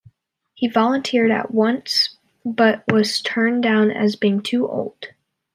He volunteered at once but was turned down as being too old.